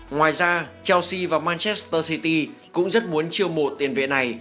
ngoài ra chelsea và manchester city cũng rất muốn chiêu mộ tiền vệ này